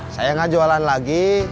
saya gak jualan lagi